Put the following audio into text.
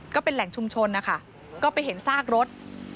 ก็เป็นแหล่งชุมชนนะคะก็ไปเห็นซากรถ